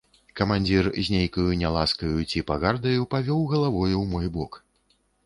Камандзір з нейкаю няласкаю ці пагардаю павёў галавою ў мой бок.